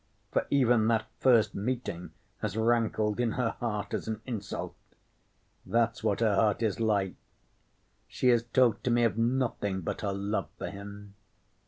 For even that first meeting has rankled in her heart as an insult—that's what her heart is like! She has talked to me of nothing but her love for him.